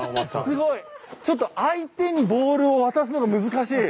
すごいちょっと相手にボールを渡すのが難しい。